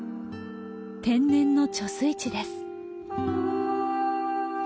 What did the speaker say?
天然の貯水池です。